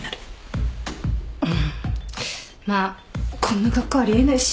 まあこんな格好あり得ないし。